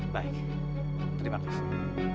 baik terima kasih